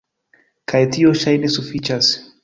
Kaj tio ŝajne sufiĉas.